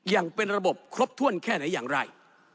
อย่างเป็นระบบครบถ้วนแค่ไหนอย่างไร